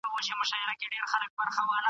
هر تېرېدونکی سړی دې ودانۍ ته ګوري.